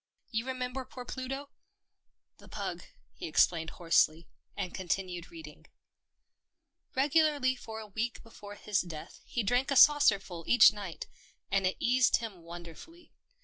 You remember poor Pluto ? THE PEPNOTISED MILK 155 " The pug," he explained hoarsely, and continued reading. " Regularly for a week before his death he drank a saucerful each night — and it eased him wonderfully.